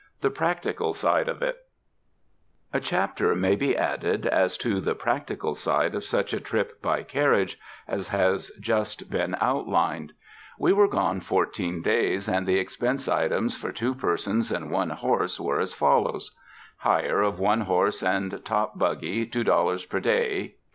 The Pbactical Side of It A chapter may be added as to the practical side of such a trip by carriage as has just been outlined. 134 SPRING DAYS IN A CARRIAGE We were gone fourteen days, and the expense items for two persons and one horse, were as fol lows: Hire of one horse and top buggy $2 per day $28.